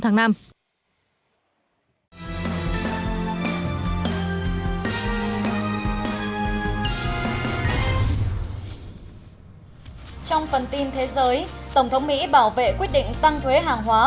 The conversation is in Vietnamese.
trong phần tin thế giới tổng thống mỹ bảo vệ quyết định tăng thuế hàng hóa